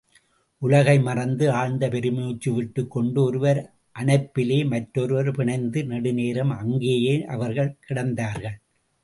உலகை மறந்து, ஆழ்ந்த பெருமூச்சு விட்டுக் கொண்டு ஒருவர் அணைப்பிலே மற்றொருவர் பிணைந்து நெடுநேரம் அங்கேயே அவர்கள் கிடந்தார்கள்!